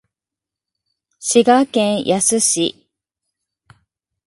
滋賀県野洲市